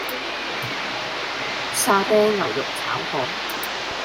沙嗲牛肉炒河